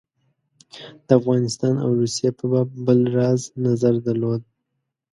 د افغانستان او روسیې په باب بل راز نظر درلود.